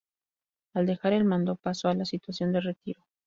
Al dejar el mando pasó a la situación de retiro.